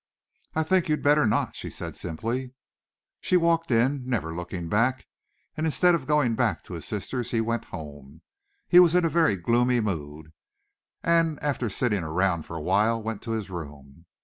"I think you'd better not," she said simply. She walked in, never looking back, and instead of going back to his sister's he went home. He was in a very gloomy mood, and after sitting around for a while went to his room.